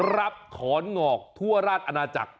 รับถอนหงอกทั่วราชอาณาจักร